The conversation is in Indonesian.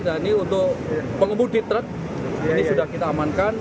ini untuk pengemudi truk ini sudah kita amankan